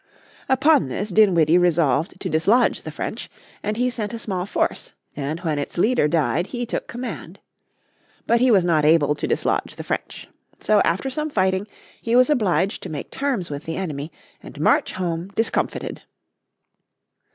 Upon this, Dinwiddie resolved to dislodge the French, and he sent a small force and when its leader died he took command. But he was not able to dislodge the French. So after some fighting he was obliged to make terms with the enemy and march home discomfited.